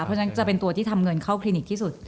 เพราะฉะนั้นจะเป็นตัวที่ทำเงินเข้าคลินิกที่สุด